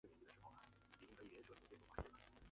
如果不淋上佐料烧烤的东西在日本称为白烧。